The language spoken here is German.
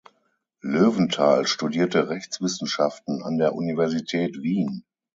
Löwenthal studierte Rechtswissenschaften an der Universität Wien.